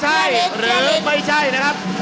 ใช่หรือไม่ใช่นะครับ